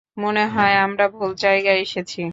মনে হয় আমরা ভুল জায়গায় এসেছি।